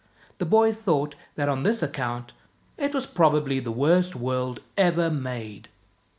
The boy thought that on this account it was probably the worst world ever made.